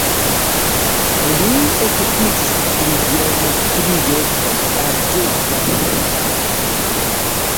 Li okupiĝis pri geometrio kaj algebra topologio.